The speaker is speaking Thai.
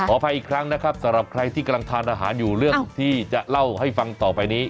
อภัยอีกครั้งนะครับสำหรับใครที่กำลังทานอาหารอยู่เรื่องที่จะเล่าให้ฟังต่อไปนี้